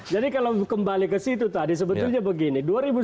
jadi kalau kembali ke situ tadi sebetulnya begini